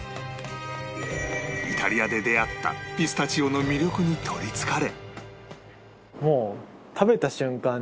イタリアで出会ったピスタチオの魅力に取りつかれ